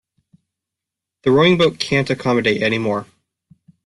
The rowing boat can't accommodate any more.